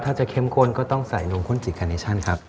ถ้าจะเข้มข้นก็ต้องใส่นมข้นจิกคาเนชั่นครับ